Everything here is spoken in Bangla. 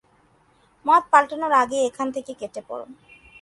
মত পাল্টানোর আগেই এখান থেকে কেটে পড়ো।